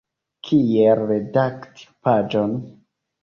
Kiel redakti paĝon.